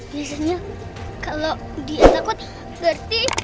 biasanya kalau dia takut berarti